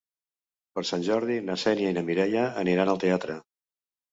Per Sant Jordi na Xènia i na Mireia aniran al teatre.